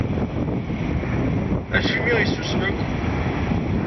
Acimi i susmen akk?